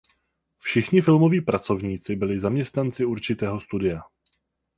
Všichni filmoví pracovníci byli zaměstnanci určitého studia.